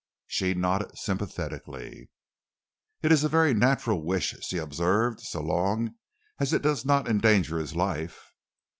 She nodded sympathetically. "It is a very natural wish," she observed, "so long as it does not endanger his life."